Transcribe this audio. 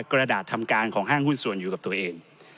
กระดาษทำการของห้างหุ้นส่วนอยู่กับตัวเอง